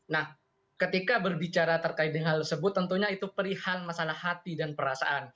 nah ketika berbicara terkait dengan hal tersebut tentunya itu perihal masalah hati dan perasaan